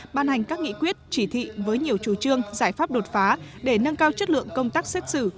ban hành các nghị quyết chỉ thị với nhiều chủ trương giải pháp đột phá để nâng cao chất lượng công tác xét xử